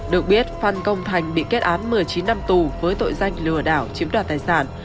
được biết phan công thành bị kết án một mươi chín năm tù với tội danh lừa đảo chiếm đoạt tài sản